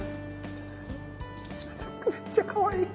むっちゃかわいい。